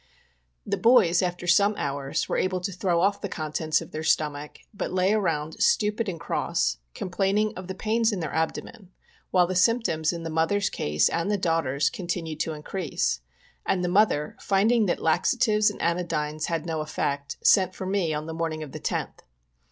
The bovs, after some hours, were able to throw off the con tents of their stomach, but lay around stupid and cross, and complaining of the pains in their abdomen, while the symp toms in the mother's case and the daughters' continued to increase ; and the mother, finding that laxatives and anodynes had no effect, sent for me on the morning of the 10th.